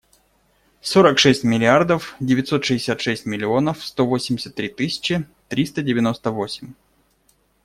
Сорок шесть миллиардов девятьсот шестьдесят шесть миллионов сто восемьдесят три тысячи триста девяносто восемь.